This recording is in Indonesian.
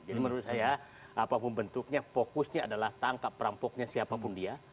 jadi menurut saya apapun bentuknya fokusnya adalah tangkap perampoknya siapapun dia